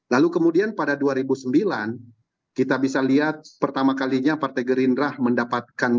lalu kemudian pada dua ribu sembilan kita bisa lihat pertama kalinya partai gerindra mendapatkan